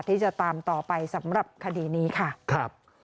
ที่จะตามต่อไปสำหรับคดีนี้ค่ะครับ